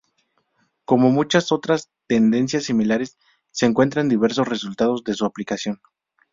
Como muchas otras tendencias similares, se encuentran diversos resultados de su aplicación.